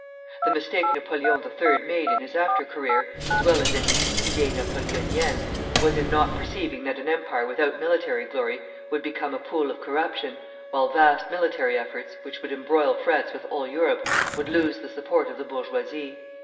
The mistake Napoleon III. made in his after career, as well as in his "Idées napoléoniennes," was in not perceiving that an empire without military glory would become a pool of corruption, while vast military efforts, which would embroil France with all Europe, would lose the support of the bourgeoisie.